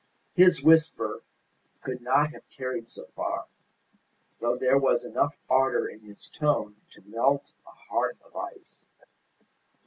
His whisper could not have carried so far, though there was enough ardour in his tone to melt a heart of ice.